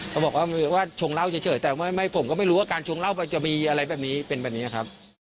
เขาบอกว่าชงเหล้าเฉยแต่ผมก็ไม่รู้ว่าการชงเหล้าไปจะมีอะไรแบบนี้เป็นแบบนี้ครับ